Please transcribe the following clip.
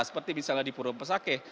seperti misalnya di pura pesakeh